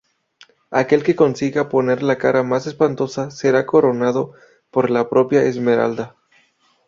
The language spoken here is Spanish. Aquel que consiga poner la cara más espantosa será coronado por la propia Esmeralda.